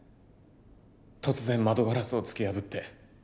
突然窓ガラスを突き破って。